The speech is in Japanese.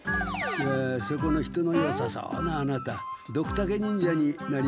そこの人のよさそうなアナタドクタケ忍者になりませんか？